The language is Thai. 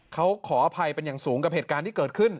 เขาขออภัยเป็นอย่างสูงกับเหตุการณ์ที่เกิดขึ้น